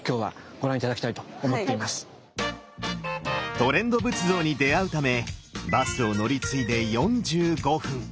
トレンド仏像に出会うためバスを乗り継いで４５分。